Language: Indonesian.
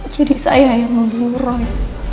jadi saya yang membunuh roy